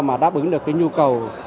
mà đáp ứng được cái nhu cầu